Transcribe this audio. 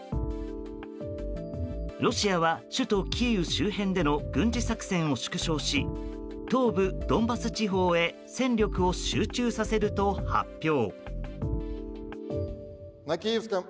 ロシアは首都キーウ周辺での軍事作戦を縮小し東部ドンバス地方へ戦力を集中させると発表。